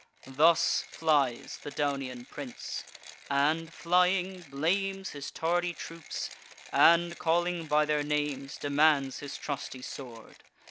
Thus flies the Daunian prince, and, flying, blames His tardy troops, and, calling by their names, Demands his trusty sword.